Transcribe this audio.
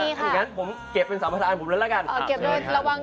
อย่างงั้นผมเก็บเป็นสามารถอ่านผมแล้วกัน